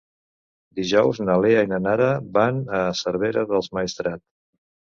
Dijous na Lea i na Nara van a Cervera del Maestrat.